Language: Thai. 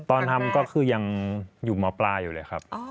ตอนทำก็คือยังอยู่หมอปลาอยู่เลยครับ